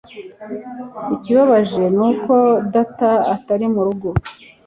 Ikibabaje ni uko data atari mu rugo.